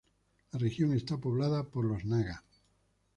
La región está poblada por los naga.